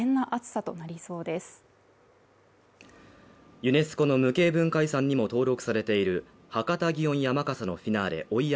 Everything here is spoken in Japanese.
ユネスコの無形文化遺産にも登録されている博多祇園山笠のフィナーレ追い山